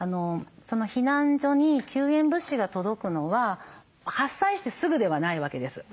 避難所に救援物資が届くのは発災してすぐではないわけです。